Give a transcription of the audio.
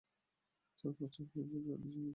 চার-পাঁচটি হরিণ ছিল, যারা নিচের দিকে দৌড়ে যায়।